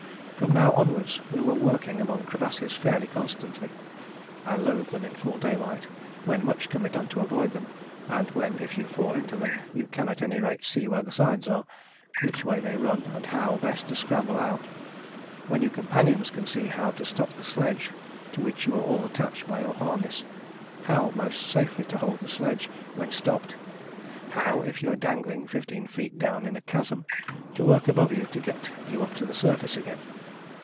From now onwards we were working among crevasses fairly constantly. I loathe them in full daylight when much can be done to avoid them, and when if you fall into them you can at any rate see where the sides are, which way they run and how best to scramble out; when your companions can see how to stop the sledge to which you are all attached by your harness; how most safely to hold the sledge when stopped; how, if you are dangling fifteen feet down in a chasm, to work above you to get you up to the surface again.